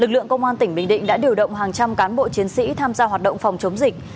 lực lượng công an tỉnh bình định đã điều động hàng trăm cán bộ chiến sĩ tham gia hoạt động phòng chống dịch